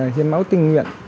hiến máu tỉnh huyện